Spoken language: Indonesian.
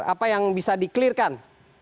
apa yang bisa di clearkan